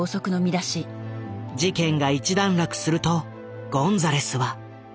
事件が一段落するとゴンザレスは。